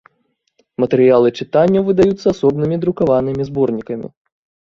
Матэрыялы чытанняў выдаюцца асобнымі друкаванымі зборнікамі.